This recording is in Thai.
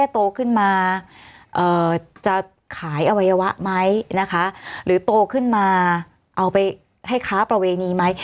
โตขึ้นมาจะขายอวัยวะไหมนะคะหรือโตขึ้นมาเอาไปให้ค้าประเวณีไหม